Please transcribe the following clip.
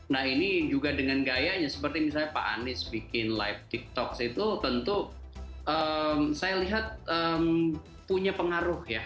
nah ini juga dengan gayanya seperti misalnya pak anies bikin live tiktok itu tentu saya lihat punya pengaruh ya